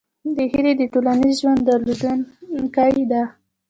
هیلۍ د ټولنیز ژوند درلودونکې ده